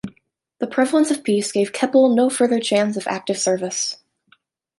The prevalence of peace gave Keppel no further chance of active service.